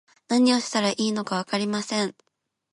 何をしたらいいのかわかりません